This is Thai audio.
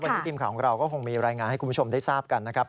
วันนี้ทีมข่าวของเราก็คงมีรายงานให้คุณผู้ชมได้ทราบกันนะครับ